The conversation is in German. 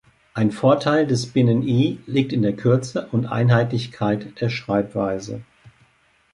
Ein Vorteil des Binnen-I liegt in der Kürze und Einheitlichkeit der Schreibweise.